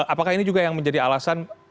apakah ini juga yang menjadi alasan